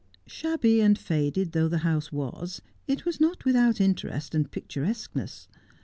Shabby and faded though the house was, it was not without interest and picturesqueness.